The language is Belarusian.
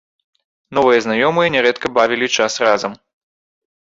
Новыя знаёмыя нярэдка бавілі час разам.